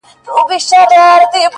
o د ناروا زوی نه یم،